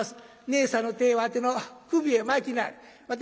ねえさんの手をわての首へ巻きなはれ。